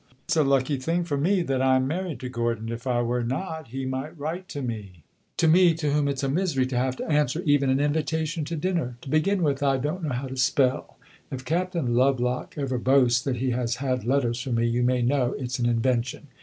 It 's a lucky thing for me that I am married to Gordon; if I were not he might write to me to me, to whom it 's a misery to have to answer even an invitation to dinner! To begin with, I don't know how to spell. If Captain Lovelock ever boasts that he has had letters from me, you may know it 's an invention.